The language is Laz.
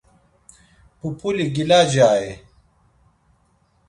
Pupuli gilacai?